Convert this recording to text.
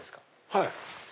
はい。